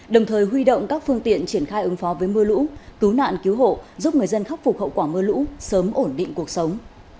đồng thời huy động các phương tiện triển khai ứng phó với mưa lũ cứu nạn cứu hộ giúp người dân khắc phục hậu quả mưa lũ sớm ổn định cuộc sống